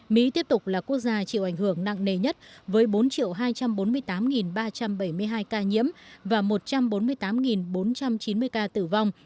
mỹ tiếp tục là quốc gia chịu ảnh hưởng nặng nề nhất với bốn hai trăm bốn mươi tám ba trăm bảy mươi hai ca nhiễm và một trăm bốn mươi tám bốn trăm chín mươi ca tử vong